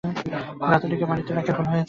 এই গাধাটিকে বাড়িতে রাখাই ভুল হয়েছে।